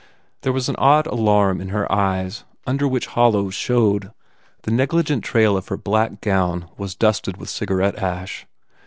There was an odd alarm in her eyes under which hollows showed. The negligent trail of her black gown was dusted with cigarette ash.